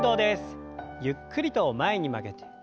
ゆっくりと前に曲げて。